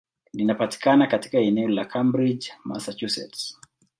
Linapatikana katika eneo la Cambridge, Massachusetts.